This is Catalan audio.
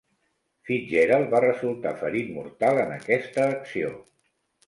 Fitzgerald va resultar ferit mortal en aquesta acció.